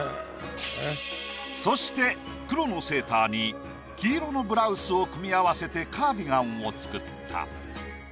そして黒のセーターに黄色のブラウスを組み合わせてカーディガンを作った。